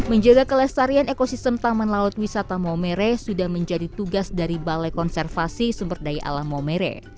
menjaga kelestarian ekosistem taman laut wisata momere sudah menjadi tugas dari balai konservasi sumber daya alam maumere